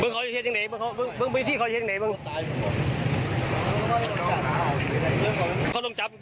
กูเปิด